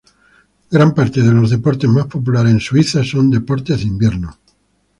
Gran parte de los deportes más populares en Suiza son deportes de invierno.